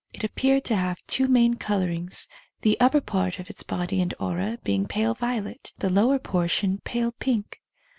It appeared to have two main colourings, the upper part of its body and aura being pale violet, the lower portion pale pink.